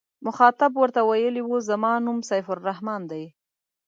مخاطب ورته ویلي و زما نوم سیف الرحمن دی.